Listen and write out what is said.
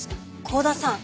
幸田さん